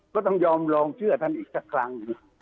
ก็ต้องยอมลองเชื่อท่านอีกสักครั้ง